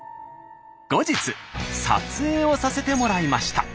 後日撮影をさせてもらいました。